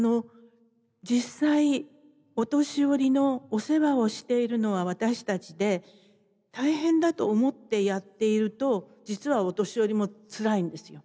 実際お年寄りのお世話をしているのは私たちで大変だと思ってやっていると実はお年寄りもつらいんですよ。